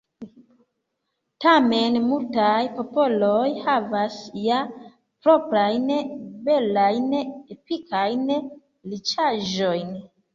Tamen multaj popoloj havas ja proprajn belajn epikajn riĉaĵojn.